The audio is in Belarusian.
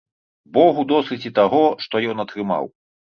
Богу досыць і таго, што ён атрымаў.